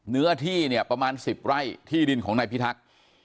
เนื้อที่เนี่ยประมาณ๑๐ไร่ที่ดินของนายพิทักษ์